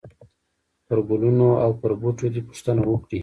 پرګلونو او پر بوټو دي، پوښتنه وکړئ !!!